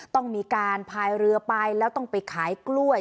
ต้องมีการพายเรือไปแล้วต้องไปขายกล้วย